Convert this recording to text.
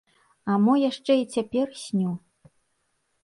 А мо яшчэ і цяпер сню?